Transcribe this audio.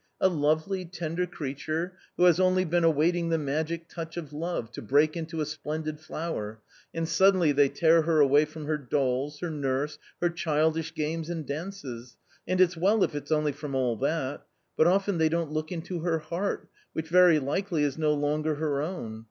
a lovely tender creature who has only been awaiting the magic touch of love to break into a splendid flower, and suddenly they tear her away from her dolls, her nurse, her childish games and dances, and it's well if it's only from all that ; but often they don't look into her heart, which very likely is no longer her own.